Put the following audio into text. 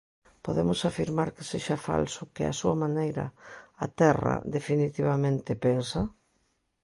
Podemos afirmar que sexa falso que, á súa maneira, "a terra, definitivamente, pensa"?